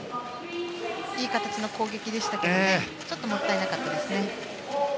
いい形の攻撃でしたがちょっともったいなかったですね。